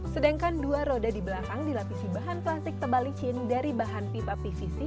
sedangkan dua roda di belakang dilapisi bahan plastik tebal licin dari bahan pipa pvc